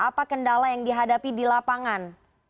apa kendala yang dihadapi di lapangan